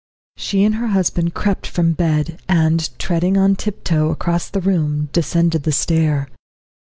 She and her husband crept from bed, and, treading on tiptoe across the room, descended the stair.